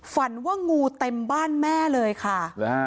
ฝันว่างูเต็มบ้านแม่เลยค่ะ